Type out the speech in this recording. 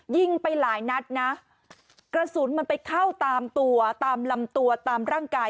ยิงไปหลายนัดนะกระสุนมันไปเข้าตามตัวตามลำตัวตามร่างกาย